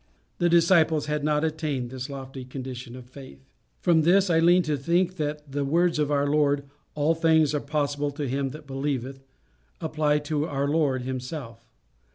The disciples had not attained this lofty condition of faith. From this I lean to think that the words of our Lord "All things are possible to him that believeth" apply to our Lord himself.